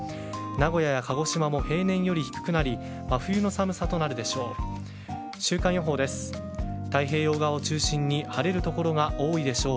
名古屋や鹿児島も平年より低くなり真冬の寒さとなるでしょう。